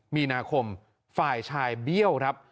มีนาคมฝ่ายชายเบี้ยวครับ